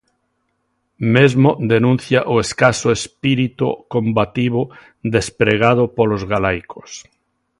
Mesmo denuncia o escaso espírito combativo despregado polos galaicos.